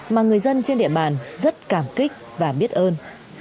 mà người dân trên địa bàn rất cảm kích và biết ơn